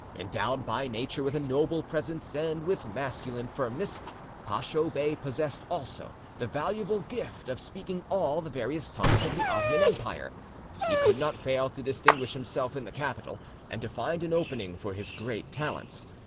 Endowed by nature with a noble presence and with masculine firmness, Pacho Bey possessed also the valuable gift of speaking all the various tongues of the Ottoman Empire. He could not fail to distinguish himself in the capital and to find an opening for his great talents.